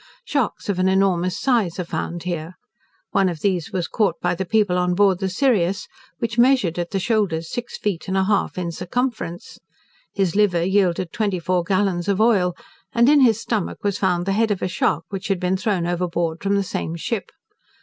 Sharks of an enormous size are found here. One of these was caught by the people on board the Sirius, which measured at the shoulders six feet and a half in circumference. His liver yielded twenty four gallons of oil; and in his stomach was found the head of a shark, which had been thrown overboard from the same ship.